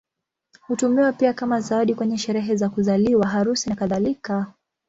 Hutumiwa pia kama zawadi kwenye sherehe za kuzaliwa, harusi, nakadhalika.